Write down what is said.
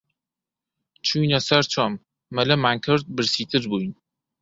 چووینە سەر چۆم، مەلەمان کرد، برسیتر بووین